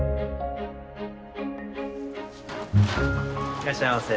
いらっしゃいませ。